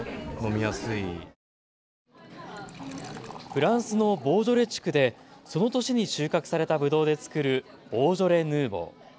フランスのボージョレ地区でその年に収穫されたぶどうで造るボージョレ・ヌーボー。